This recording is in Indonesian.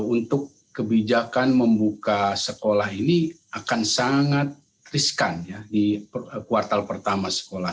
untuk kebijakan membuka sekolah ini akan sangat riskan di kuartal pertama sekolah